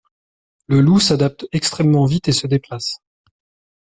Le loup s’adapte extrêmement vite et se déplace.